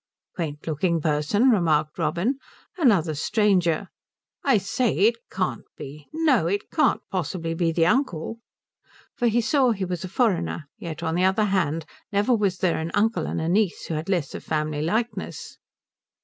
"Quaint looking person," remarked Robin. "Another stranger. I say, it can't be no, it can't possibly be the uncle?" For he saw he was a foreigner, yet on the other hand never was there an uncle and a niece who had less of family likeness.